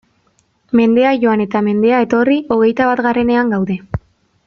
Mendea joan eta mendea etorri, hogeita batgarrenean gaude!